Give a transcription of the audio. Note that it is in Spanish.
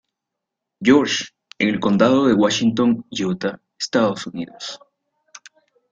George, en el Condado de Washington, Utah, Estados Unidos.